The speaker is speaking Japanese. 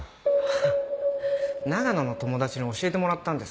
長野の友達に教えてもらったんです。